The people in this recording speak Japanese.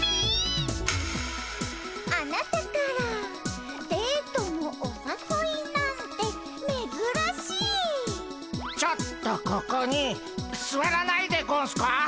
「あなたからデートのおさそいなんてめずらしい」「ちょっとここにすわらないでゴンスか」